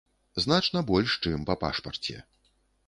Значна больш, чым па пашпарце.